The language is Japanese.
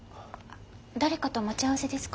誰かと待ち合わせですか？